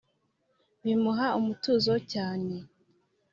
bimuha umutuzo cyane.